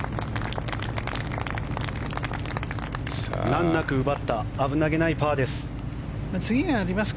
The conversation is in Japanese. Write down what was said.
難なく奪った危なげないパーです。